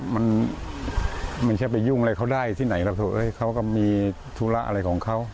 มันใช่ไปยุ่งอะไรเขาได้ที่ไหนครับเขาก็มีธุระอะไรของเขา